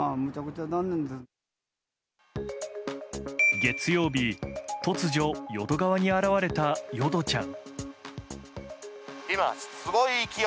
月曜日、突如淀川に現れた、よどちゃん。